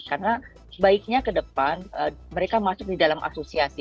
karena baiknya ke depan mereka masuk di dalam asosiasi